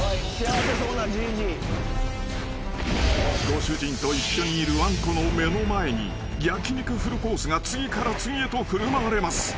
［ご主人と一緒にいるわんこの目の前に焼き肉フルコースが次から次へと振る舞われます］